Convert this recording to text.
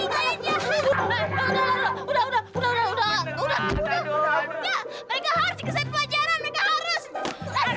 ini ada apa sih